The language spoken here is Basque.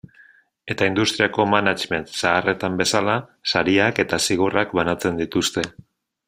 Eta industriako management zaharretan bezala, sariak eta zigorrak banatzen dituzte.